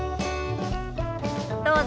どうぞ。